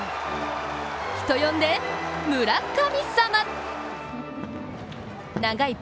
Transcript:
人呼んで、村神様！